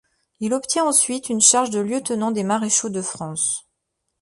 Il obtient ensuite une charge de lieutenant des maréchaux de France.